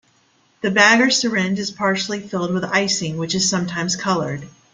The bag or syringe is partially filled with icing which is sometimes colored.